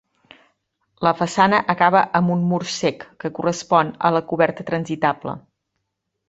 La façana acaba amb un mur cec, que correspon a la coberta transitable.